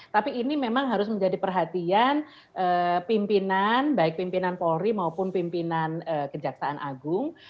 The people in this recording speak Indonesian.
tapi ini memang harus menjadi perhatian pimpinan baik pimpinan polri maupun pimpinan kejaksaan agung